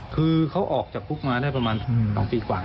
คือเขาออกจากคุกมาได้ประมาณ๒ปีกว่า